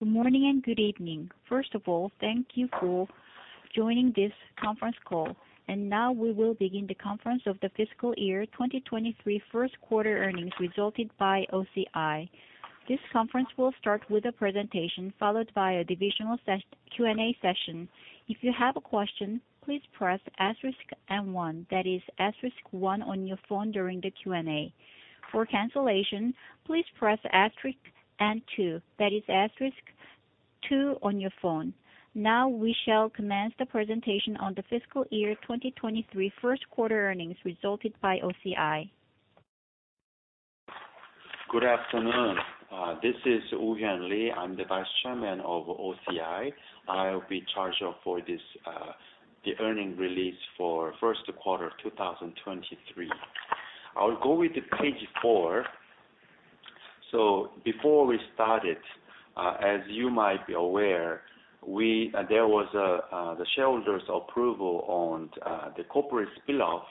Good morning and good evening. First of all, thank you for joining this conference call. Now we will begin the conference of the Fiscal Year 2023 First Quarter Earnings Resulted by OCI. This conference will start with a presentation followed by a divisional Q&A session. If you have a question, please press asterisk and one, that is asterisk one on your phone during the Q&A. For cancellation, please press asterisk and two, that is asterisk two on your phone. Now, we shall commence the presentation on the Fiscal Year 2023 First Quarter Earnings Resulted by OCI. Good afternoon. This is Woo Hyun Lee. I'm the Vice Chairman of OCI. I'll be in charge of for this, the earning release for first quarter 2023. I'll go with the page four. Before we start it, as you might be aware, there was a the shareholders approval on the corporate spinoff,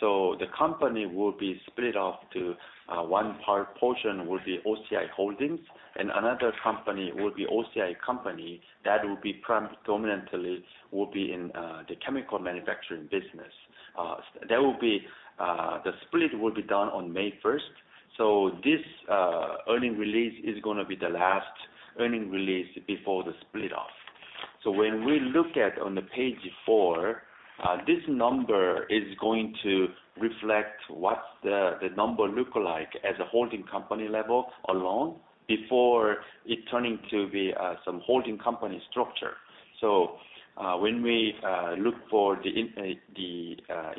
so the company will be split off to one part portion will be OCI Holdings, and another company will be OCI Company that will be dominantly in the chemical manufacturing business. That will be, the split will be done on May 1st, so this earning release is gonna be the last earning release before the split off. When we look at on the page four, this number is going to reflect what's the number look like as a holding company level alone before it turning to be some holding company structure. When we look for the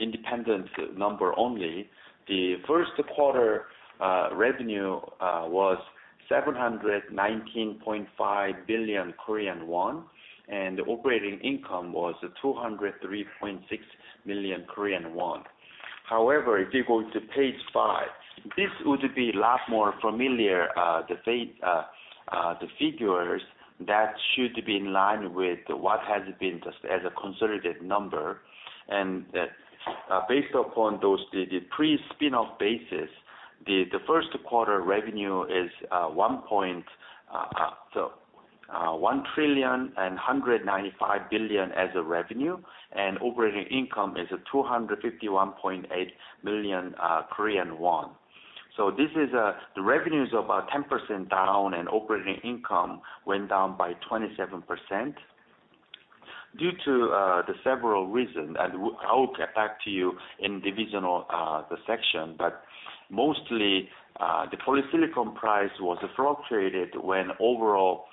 independent number only, the first quarter revenue was 719.5 billion Korean won, and operating income was 203.6 million Korean won. However, if you go to page five, this would be a lot more familiar, the figures that should be in line with what has been just as a consolidated number. Based upon those, the pre-spinoff basis, the first quarter revenue is 1,195 billion as a revenue, and operating income is 251.8 million Korean won. This is the revenues about 10% down and operating income went down by 27% due to the several reason, and I will get back to you in divisional section. Mostly, the polysilicon price was fluctuated when overall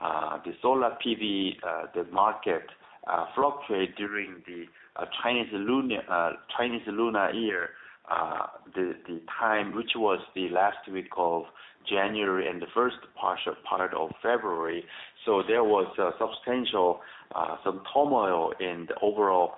the solar PV the market fluctuate during the Chinese Lunar Year the time which was the last week of January and the first part of February. There was a substantial some turmoil in the overall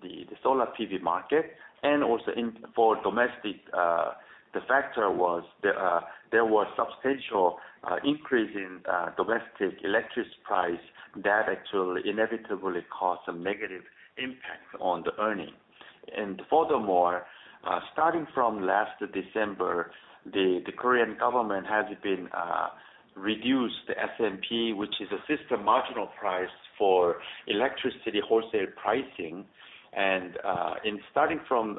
the solar PV market. Also for domestic, the factor was there was substantial increase in domestic electricity price that actually inevitably caused some negative impact on the earning. Furthermore, starting from last December, the Korean government has been reduced the SMP, which is a system marginal price for electricity wholesale pricing. In starting from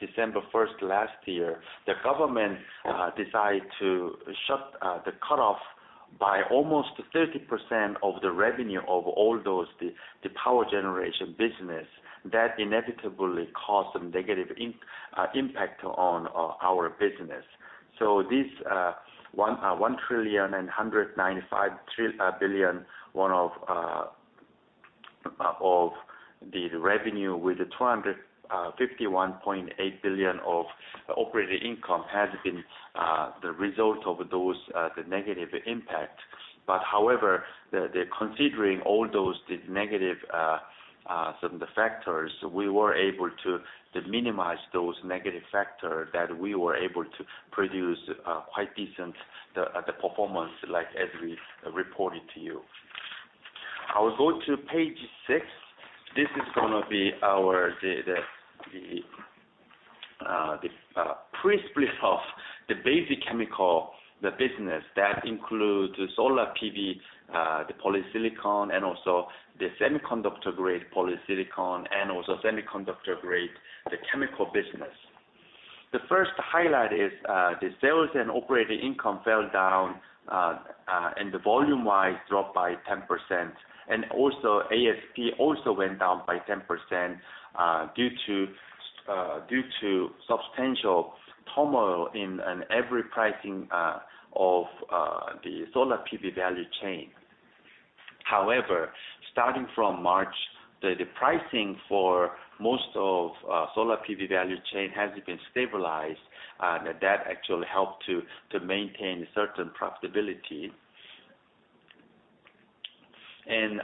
December 1st last year, the government decide to shut the cutoff by almost 30% of the revenue of all those, the power generation business that inevitably caused some negative impact on our business. This 1,195 billion of the revenue with 251.8 billion of operating income has been the result of those negative impact. However, the considering all those, the negative some of the factors, we were able to minimize those negative factor, that we were able to produce quite decent the performance like as we reported to you. I will go to page six. This is gonna be our pre-split off the basic chemical, the business that includes the solar PV the polysilicon and also the semiconductor-grade polysilicon and also semiconductor-grade the chemical business. The first highlight is the sales and operating income fell down and the volume-wise dropped by 10%. Also, ASP also went down by 10% due to substantial turmoil in and every pricing of the solar PV value chain. Starting from March, the pricing for most of solar PV value chain has been stabilized, and that actually helped to maintain certain profitability.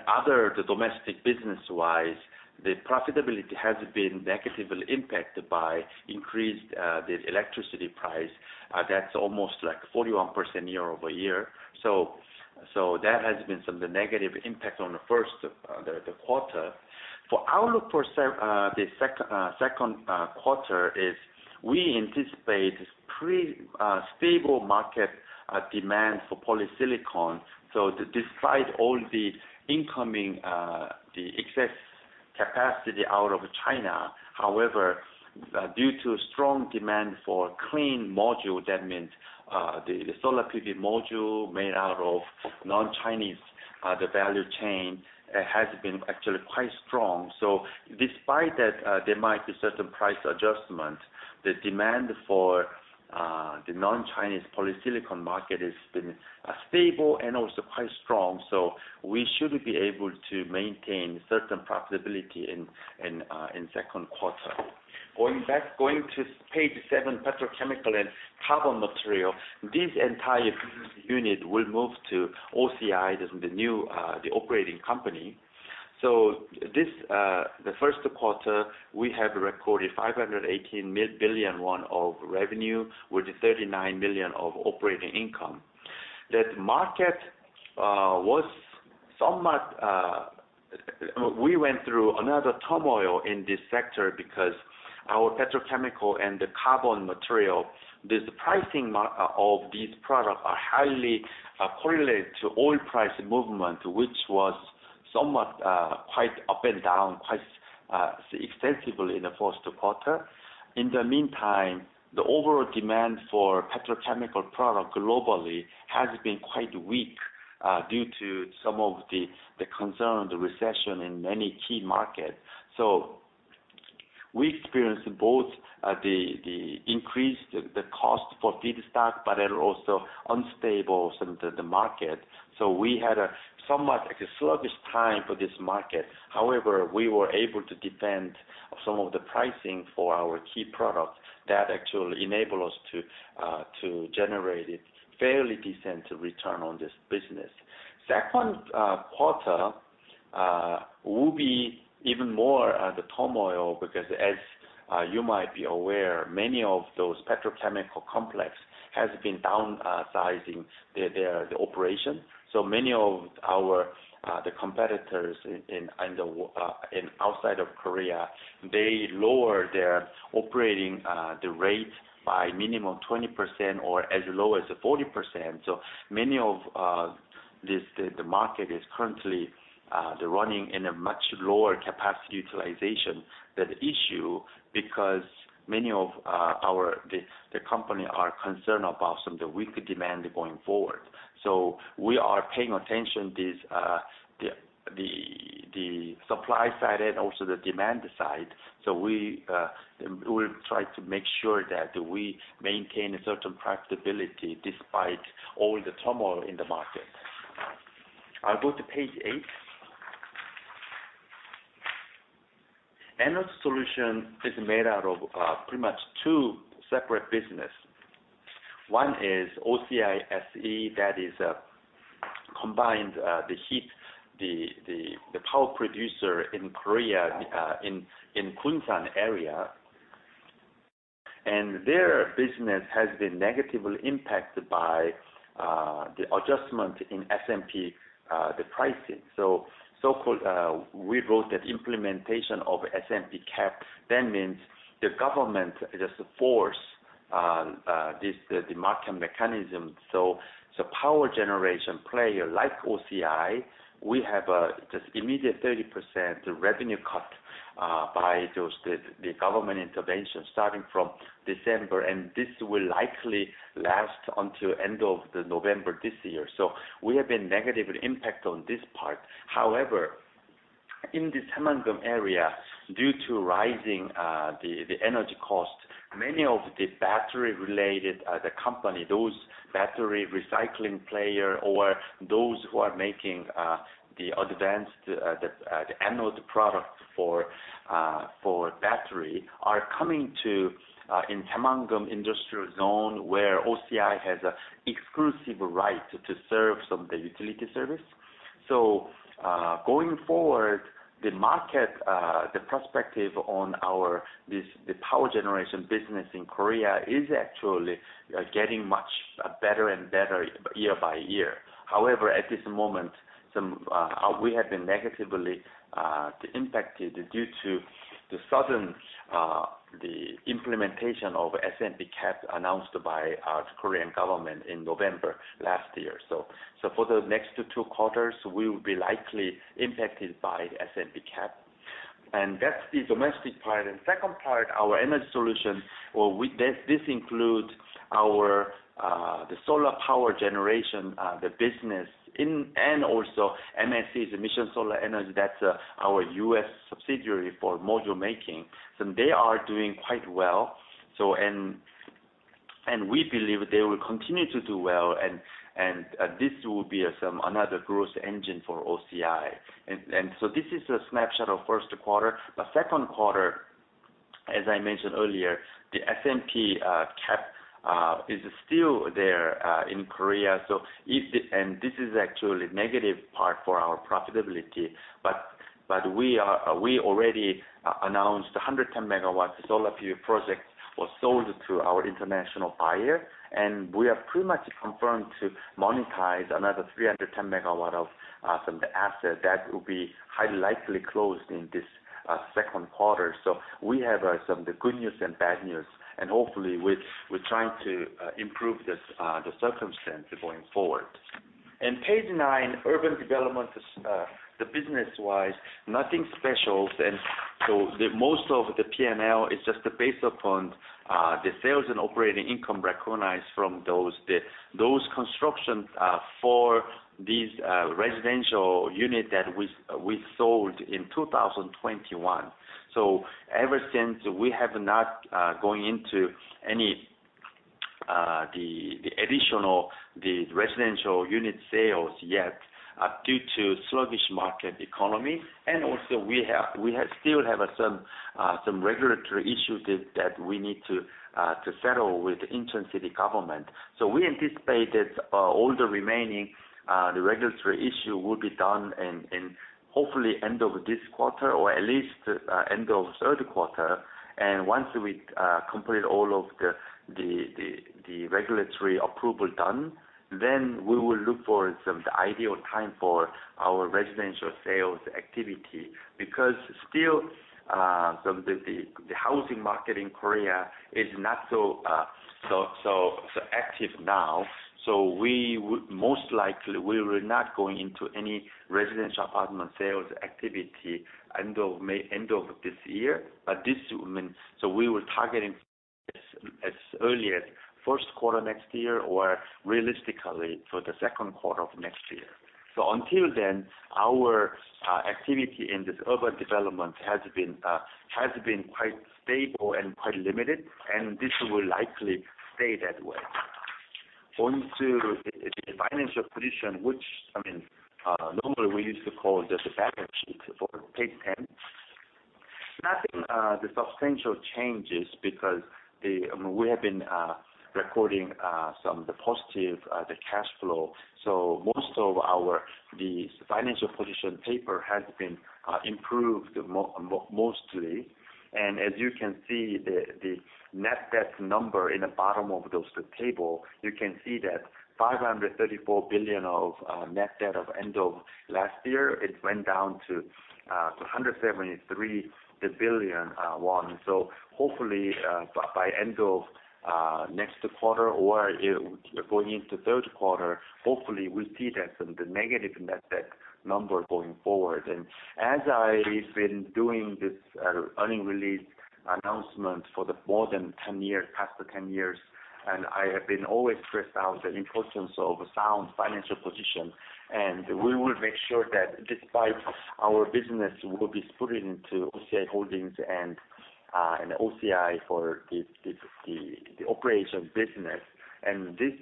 Other, the domestic business-wise, the profitability has been negatively impacted by increased the electricity price, that's almost like 41% year-over-year. That has been some of the negative impact on the first quarter. For outlook for second quarter is we anticipate stable market demand for polysilicon. Despite all the incoming excess capacity out of China, however, due to strong demand for clean module, that means the solar PV module made out of non-Chinese value chain, has been actually quite strong. Despite that, there might be certain price adjustment, the demand for the non-Chinese polysilicon market has been stable and also quite strong. We should be able to maintain certain profitability in second quarter. Going back, going to page seven, petrochemical and carbon material. This entire business unit will move to OCI, this is the new operating company. This, the first quarter, we have recorded 518 billion won of revenue, with 39 million of operating income. That market was somewhat. We went through another turmoil in this sector because our petrochemical and the carbon material, the pricing of these products are highly correlated to oil price movement, which was somewhat quite up and down, quite extensively in the first quarter. In the meantime, the overall demand for petrochemical product globally has been quite weak, due to some of the concern, the recession in many key markets. We experienced both, the increase, the cost for feedstock, but then also unstable some of the market. We had a somewhat like a sluggish time for this market. However, we were able to defend some of the pricing for our key products that actually enable us to generate a fairly decent return on this business. Second quarter will be even more the turmoil because as you might be aware, many of those petrochemical complex has been downsizing their the operation. Many of our competitors in and outside of Korea, they lower their operating rate by minimum 20% or as low as 40%. Many of the market is currently running in a much lower capacity utilization. That issue because many of our company are concerned about some of the weak demand going forward. We are paying attention the supply side and also the demand side. We will try to make sure that we maintain a certain profitability despite all the turmoil in the market. I'll go to page eight. Anode solution is made out of pretty much two separate business. One is OCI SE, that is combined heat power producer in Korea in Kunsan area. Their business has been negatively impacted by the adjustment in SMP, the pricing. So-called, we wrote that implementation of SMP cap. That means the government just force the market mechanism. Power generation player like OCI, we have just immediate 30% revenue cut by those, the government intervention starting from December, and this will likely last until end of the November this year. We have been negatively impacted on this part. In this Gunsan, area, due to rising the energy cost, many of the battery-related company, those battery recycling player or those who are making the advanced anode product for battery, are coming to in Gunsan, industrial zone, where OCI has exclusive right to serve some of the utility service. Going forward, the market, the perspective on our, this, the power generation business in Korea is actually getting much better and better year by year. However, at this moment, some, we have been negatively impacted due to the sudden, the implementation of SMP cap announced by Korean government in November last year. For the next two quarters, we will be likely impacted by SMP cap. That's the domestic part. Second part, our energy solution or with this includes our, the solar power generation, the business in, and also Mission Solar Energy's, our U.S. subsidiary for module making. They are doing quite well. And we believe they will continue to do well, and this will be some, another growth engine for OCI. This is a snapshot of first quarter. Second quarter, as I mentioned earlier, the SMP cap is still there in Korea. This is actually negative part for our profitability, but we already announced 110 MW solar PV project was sold to our international buyer, and we are pretty much confirmed to monetize another 310 MW of some of the asset that will be highly likely closed in this second quarter. We have some of the good news and bad news, and hopefully, we're trying to improve this circumstance going forward. Page nine, urban development is the business-wise, nothing special. The most of the P&L is just based upon the sales and operating income recognized from those constructions for these residential unit that we sold in 2021. Ever since, we have not going into any additional residential unit sales yet due to sluggish market economy, and also we still have some regulatory issues that we need to settle with Incheon City Government. We anticipated all the remaining regulatory issue will be done in hopefully end of this quarter, or at least end of third quarter. Once we complete all of the regulatory approval done, then we will look for some ideal time for our residential sales activity. Still, some of the housing market in Korea is not so active now. We would most likely, we will not going into any residential apartment sales activity end of May, end of this year. This would mean, we were targeting as early as first quarter next year, or realistically for the second quarter of next year. Until then, our activity in this urban development has been quite stable and quite limited, and this will likely stay that way. On to the financial position, which, I mean, normally we used to call just the balance sheet for page 10. Nothing, the substantial changes because, I mean, we have been recording some of the positive the cash flow. Most of our, the financial position paper has been improved mostly. As you can see, the net debt number in the bottom of those, the table, you can see that 534 billion of net debt of end of last year, it went down to 173 billion won. Hopefully, by end of next quarter or, you know, going into third quarter, hopefully we see that some, the negative net debt number going forward. As I've been doing this earning release announcement for the more than 10 years, past the 10 years, and I have been always stressed out the importance of a sound financial position. We will make sure that despite our business will be split into OCI Holdings and OCI for the operations business, and this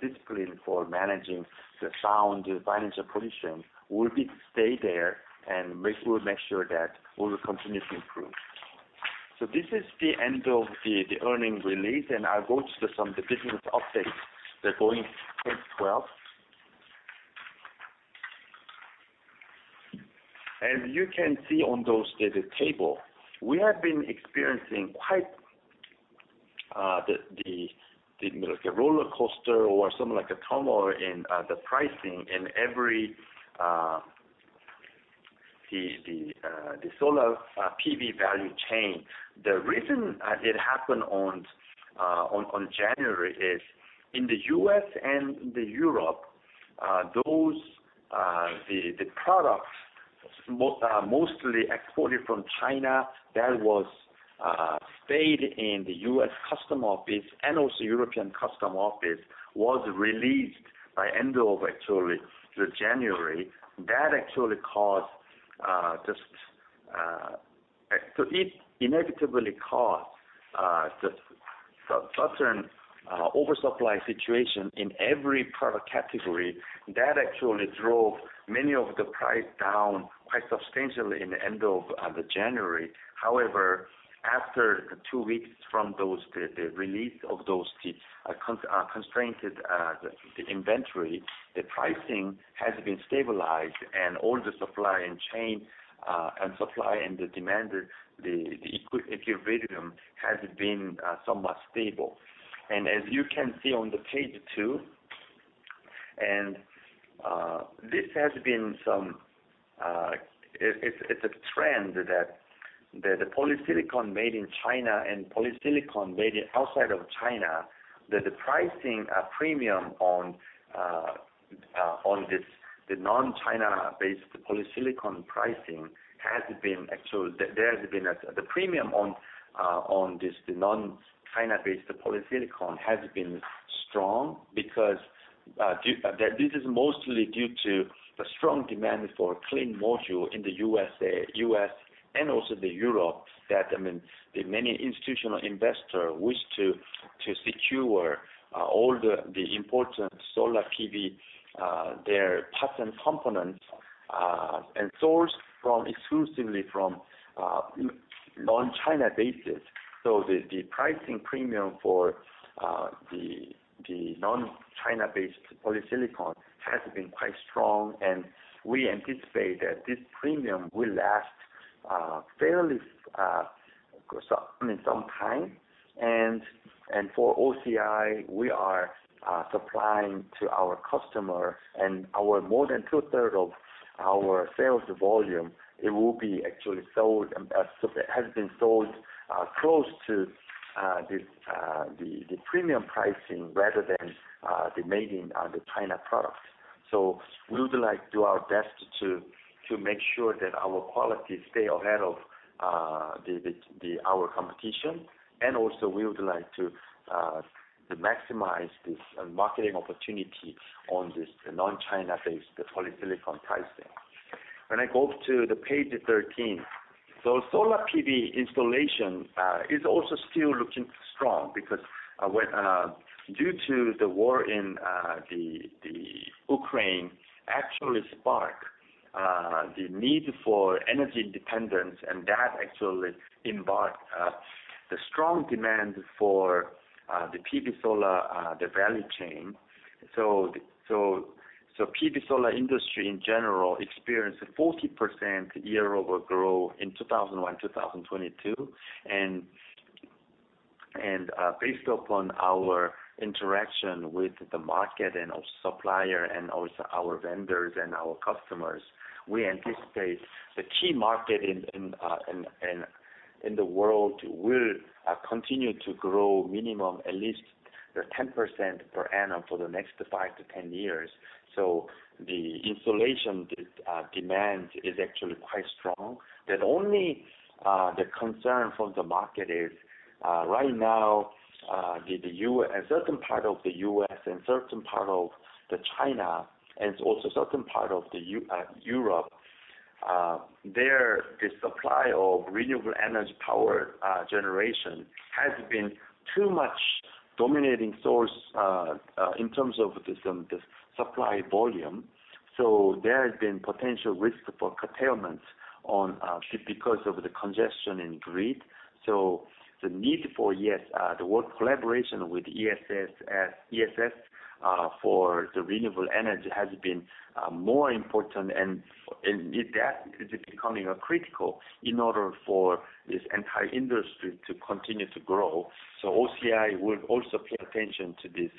discipline for managing the sound financial position will stay there and we'll make sure that we will continue to improve. This is the end of the earnings release, and I'll go to some of the business updates that go in page 12. As you can see on those data table, we have been experiencing quite like a rollercoaster or something like a turmoil in the pricing in every the solar PV value chain. The reason it happened on January is in the U.S. and the Europe, those the products mostly exported from China that was stayed in the U.S. custom office and also European custom office, was released by end of actually the January. That actually caused just so it inevitably caused the sudden oversupply situation in every product category. That actually drove many of the price down quite substantially in the end of the January. However, after two weeks from those, the release of those, the constrained inventory, the pricing has been stabilized and all the supply and chain and supply and the demand, the equilibrium has been somewhat stable. As you can see on the page two, this has been some, it's a trend that the polysilicon made in China and polysilicon made outside of China, the premium on this, the non-China-based polysilicon has been strong because this is mostly due to the strong demand for clean module in the U.S. and also the Europe. I mean, the many institutional investors wish to secure all the important solar PV, their parts and components and sourced from, exclusively from, non-China basis. The pricing premium for the non-China-based polysilicon has been quite strong, and we anticipate that this premium will last fairly for some, I mean, some time. For OCI, we are supplying to our customer and our more than two-third of our sales volume, it will be actually sold, so it has been sold close to this the premium pricing rather than the making the China products. We would like do our best to make sure that our quality stay ahead of the our competition. Also we would like to maximize this marketing opportunity on this non-China-based polysilicon pricing. When I go to the page 13, solar PV installation is also still looking strong because when due to the war in Ukraine actually spark the need for energy independence, and that actually embark the strong demand for the PV solar value chain. The PV solar industry in general experienced a 40% year-over-year growth in 2021, 2022. Based upon our interaction with the market and also supplier and also our vendors and our customers, we anticipate the key market in the world will continue to grow minimum at least the 10% per annum for the next five to 10 years. The installation demand is actually quite strong. The only, the concern from the market is right now, the a certain part of the U.S. and certain part of China, and also certain part of Europe, their, the supply of renewable energy power generation has been too much dominating source in terms of the some, the supply volume. There has been potential risk for curtailment on because of the congestion and grid. The need for, yes, the work collaboration with ESS for the renewable energy has been more important and that is becoming critical in order for this entire industry to continue to grow. OCI will also pay attention to this,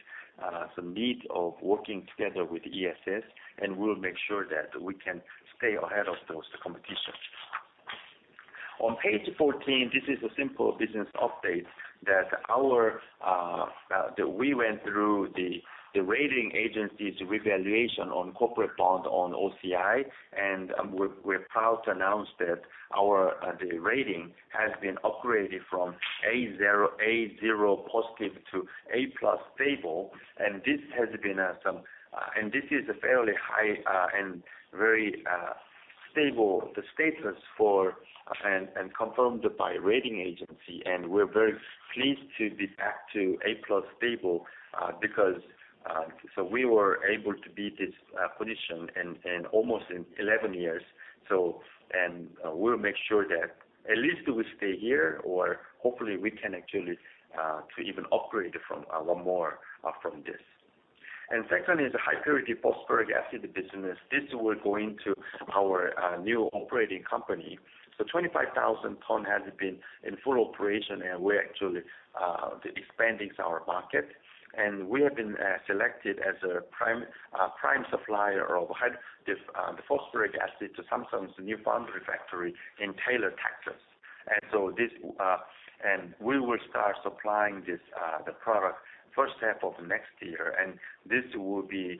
the need of working together with ESS, and we'll make sure that we can stay ahead of those competition. On page 14, this is a simple business update that our that we went through the rating agency's revaluation on corporate bond on OCI. We're proud to announce that our the rating has been upgraded from A zero, A zero Positive to A+ stable. This has been some and this is a fairly high and very stable the status for and confirmed by rating agency. We're very pleased to be back to A+ stable because so we were able to be this position in almost 11 years. We'll make sure that at least we stay here or hopefully we can actually to even upgrade from one more from this. Secondly is the high-purity phosphoric acid business. This will go into our new operating company. 25,000 ton has been in full operation, and we're actually expanding our market. We have been selected as a prime supplier of this the phosphoric acid to Samsung's new foundry factory in Taylor, Texas. This, and we will start supplying this the product first half of next year. This will be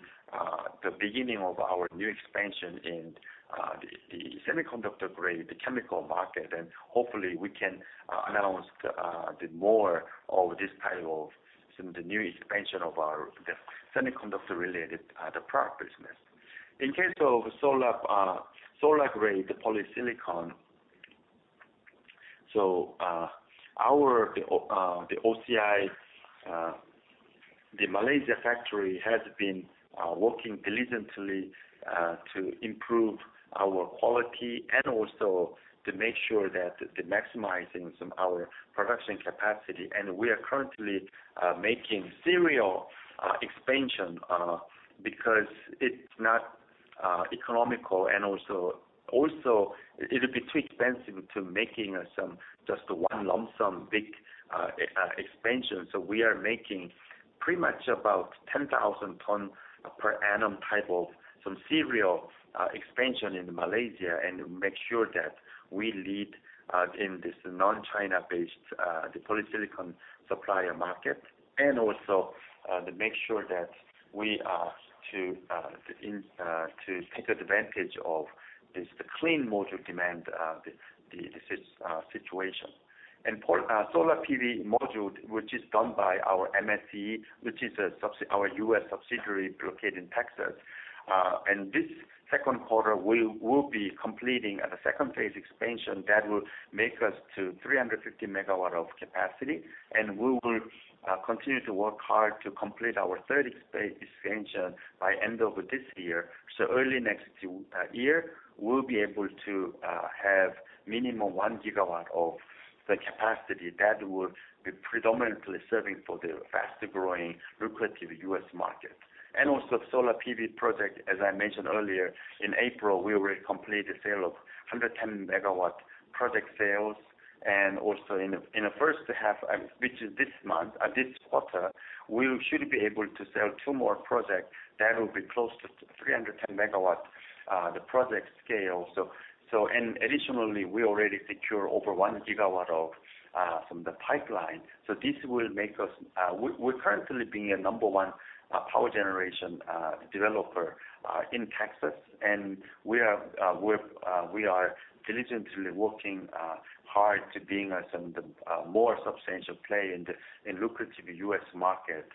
the beginning of our new expansion in the semiconductor-grade chemical market. Hopefully we can announce the more of this type of some the new expansion of our the semiconductor-related the product business. In case of solar-grade polysilicon, our, the OCI, the Malaysia factory has been working diligently to improve our quality and also to make sure that the maximizing some our production capacity. We are currently making serial expansion because it's not economical and also it would be too expensive to making some just one lump sum big expansion. We are making pretty much about 10,000 tons per annum type of polysilicon expansion in Malaysia and make sure that we lead in this non-China-based polysilicon supplier market and also to make sure that we are to take advantage of this, the clean module demand situation. Solar PV module, which is done by our MSE, which is our U.S. subsidiary located in Texas. This second quarter, we will be completing the second phase expansion that will make us to 350 MW of capacity, and we will continue to work hard to complete our third expansion by end of this year. Early next year, we'll be able to have minimum 1 GW of the capacity that will be predominantly serving for the faster-growing lucrative U.S. market. Also solar PV project, as I mentioned earlier, in April, we already completed sale of 110 MW project sales. Also in the first half, which is this month, this quarter, we should be able to sell two more projects that will be close to 310 MW, the project scale. Additionally, we already secure over 1 GW from the pipeline. This will make us, we're currently being a number one power generation developer in Texas, and we're diligently working hard to being us in the more substantial play in the lucrative U.S. market.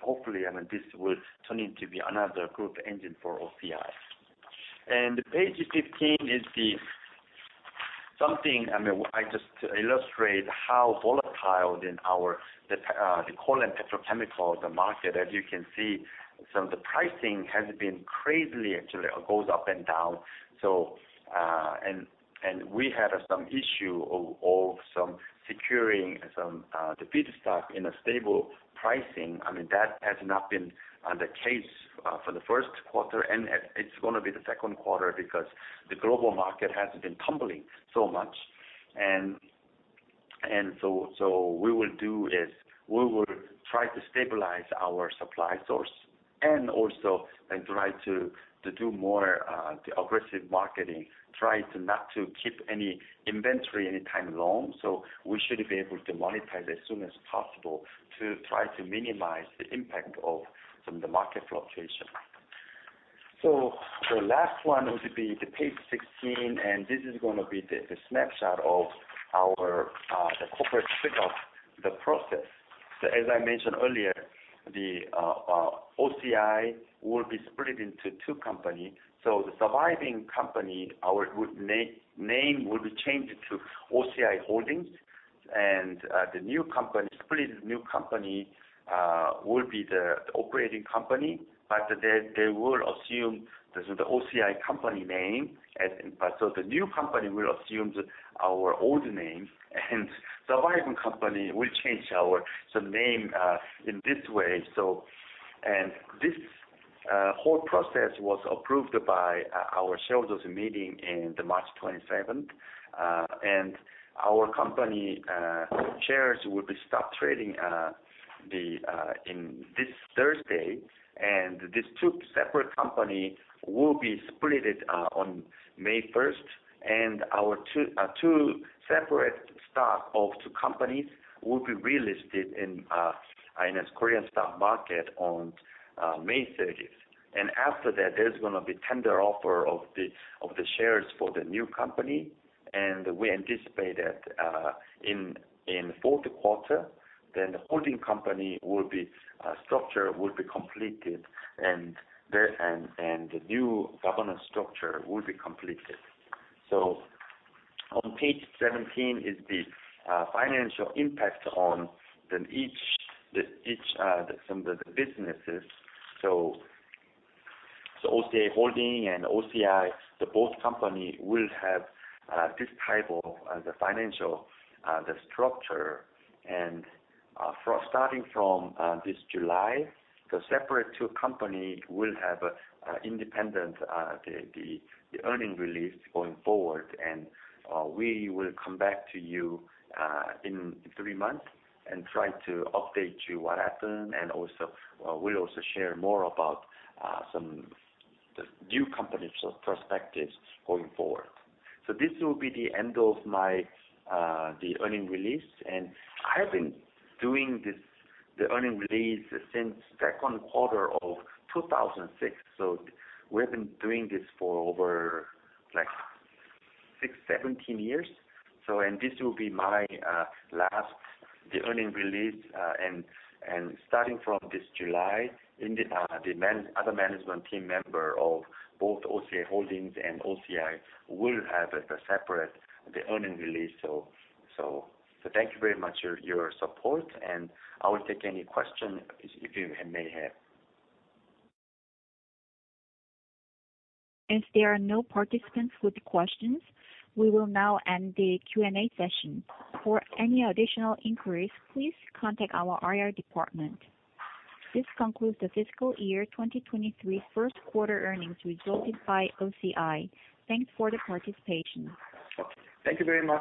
Hopefully, I mean, this will turn into be another group engine for OCI. Page 15 is the something, I mean, I just illustrate how volatile than our the coal and petrochemical market. As you can see, some of the pricing has been crazily actually goes up and down. We had some issue of securing some the feedstock in a stable pricing. I mean, that has not been the case for the first quarter and it's gonna be the second quarter because the global market has been tumbling so much. We will do is we will try to stabilize our supply source and also, try to do more aggressive marketing, try to not to keep any inventory any time long. We should be able to monetize as soon as possible to try to minimize the impact of some of the market fluctuation. The last one would be the page 16, and this is gonna be the snapshot of our the corporate split up, the process. As I mentioned earlier, OCI will be split into two company. The surviving company, our good name, will be changed to OCI Holdings. The new company, split new company, will be the operating company, but they will assume the OCI Company name. The new company will assume the, our old name, and surviving company will change our, the name, in this way. This whole process was approved by our shareholders meeting in the March 27th. Our company, shares will be start trading, the, in this Thursday. These two separate company will be splitted, on May 1st, and our two separate stock of two companies will be relisted in the Korean stock market on May 30th. After that, there's gonna be tender offer of the shares for the new company. We anticipate that, in fourth quarter, the holding company will be structure will be completed and the new governance structure will be completed. On page 17 is the financial impact on some of the businesses. OCI Holdings and OCI, the both company will have this type of the financial structure. Starting from this July, the separate two company will have independent the earning release going forward. We will come back to you in three months and try to update you what happened and also, we'll also share more about some, the new company's perspectives going forward. This will be the end of my the earning release. I have been doing this, the earning release since second quarter of 2006. We've been doing this for over like six, 17 years. This will be my last, the earning release. Starting from this July, the other management team member of both OCI Holdings and OCI will have a separate, the earning release. Thank you very much your support, and I will take any question if you may have. As there are no participants with questions, we will now end the Q&A session. For any additional inquiries, please contact our IR department. This concludes the Fiscal Year 2023 First Quarter Earnings Resulted by OCI. Thanks for the participation. Thank you very much.